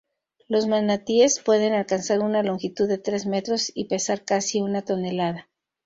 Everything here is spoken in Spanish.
Los manatíes pueden alcanzar una longitud de tres metros y pesar casi una tonelada.